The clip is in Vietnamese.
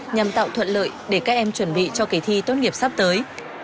nhằm tạo thuận lợi để các em chuẩn bị cho kỳ thi tốt nghiệp sắp tới